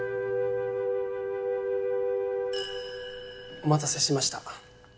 お待たせしました。